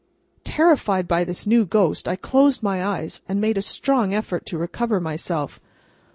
Terrified by this new ghost, I closed my eyes, and made a strong effort to recover myself.